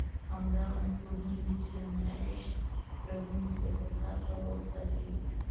همدغه میکروبونه دي چې د معیشت په رګونو کې د فساد تبه وساتي.